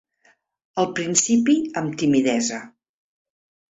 Al principi amb timidesa.